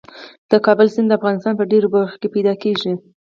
د کابل سیند د افغانستان په ډېرو برخو کې موندل کېږي.